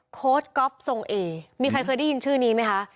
โค้ดก๊อฟทรงเอมีใครเคยได้ยินชื่อนี้ไหมคะ